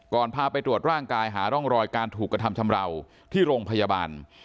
พาไปตรวจร่างกายหาร่องรอยการถูกกระทำชำราวที่โรงพยาบาล